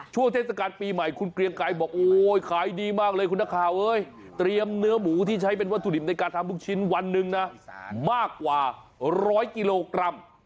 เทศกาลปีใหม่คุณเกรียงไกรบอกโอ้ยขายดีมากเลยคุณนักข่าวเตรียมเนื้อหมูที่ใช้เป็นวัตถุดิบในการทำลูกชิ้นวันหนึ่งนะมากกว่าร้อยกิโลกรัม